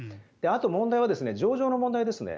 問題は情状の問題ですね。